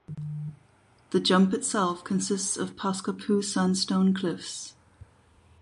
The jump itself consists of Paskapoo sandstone cliffs.